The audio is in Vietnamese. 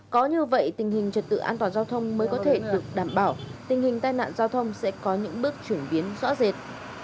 có như vậy tình hình trật tự an toàn giao thông mới có thể được đảm bảo tình hình tai nạn giao thông sẽ có những bước chuyển biến rõ rệt